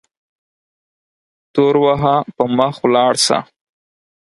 تور وهه په مخه ولاړ سه